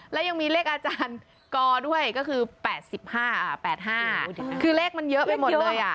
แล้วยังมีเลขอาจารย์กด้วยก็คือ๘๕๘๕คือเลขมันเยอะไปหมดเลย